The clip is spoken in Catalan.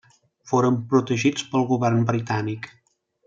Foren protegits pel govern britànic.